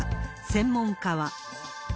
専門家は。